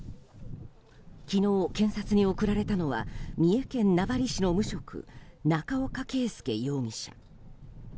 昨日、検察に送られたのは三重県名張市の無職中岡恵佑容疑者。